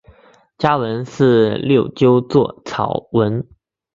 家纹是六鸠酢草纹。